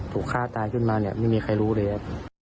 ถูกฆ่าตายขึ้นมาเนี่ยไม่มีใครรู้เลยครับ